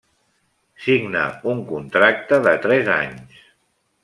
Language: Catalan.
Signà un contracte de tres anys.